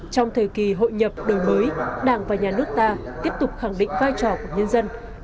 trong thời kỳ hội nhập đầu mới đảng và nhà nước ta tiếp tục khẳng định vai trò của quần chúng nhân dân